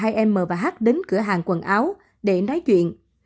hường không đồng ý mà yêu cầu hai em mở và hát đến cửa hàng quần áo để nói chuyện